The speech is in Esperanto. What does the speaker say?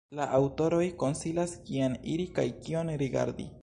La aŭtoroj konsilas, kien iri kaj kion rigardi.